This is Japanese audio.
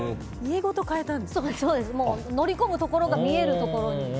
乗り込むところが見えるところに。